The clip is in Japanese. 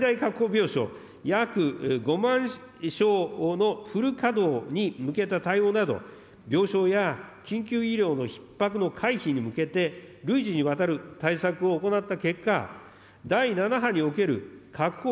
病床約５万床のフル稼働に向けた対応など、病床や緊急医療のひっ迫の回避に向けて累次にわたる対策を行った結果、第７波における確保